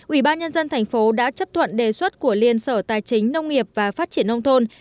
ủy ban nhân dân thành phố đã chấp thuận đề xuất của liên sở tài chính nông nghiệp và phát triển nông thôn